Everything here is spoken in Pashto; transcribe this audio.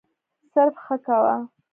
صرف «ښه» کوه.